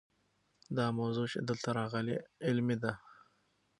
دا موضوع چې دلته راغلې علمي ده.